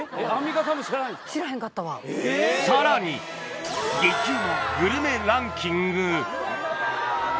［さらに激うまグルメランキング］